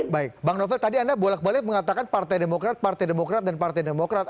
baik bang novel tadi anda bolak balik mengatakan partai demokrat partai demokrat dan partai demokrat